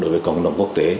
đối với cộng đồng quốc tế